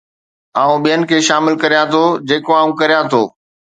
آئون ٻين کي شامل ڪريان ٿو جيڪو آئون ڪريان ٿو